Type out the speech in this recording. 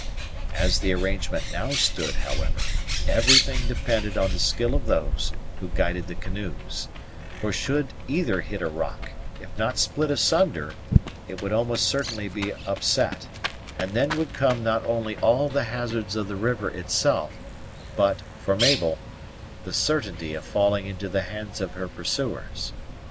As the arrangement now stood, however, everything depended on the skill of those who guided the canoes; for should either hit a rock, if not split asunder, it would almost certainly be upset, and then would come not only all the hazards of the river itself, but, for Mabel, the certainty of falling into the hands of her pursuers.